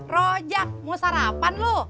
rojak mau sarapan lu